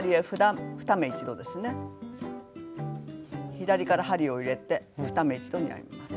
左から針を入れて２目一度に編みます。